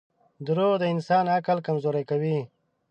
• دروغ د انسان عقل کمزوری کوي.